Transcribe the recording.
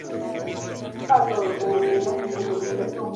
Puede ser sintetizado.